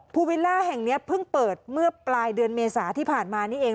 วิลล่าแห่งนี้เพิ่งเปิดเมื่อปลายเดือนเมษาที่ผ่านมานี่เอง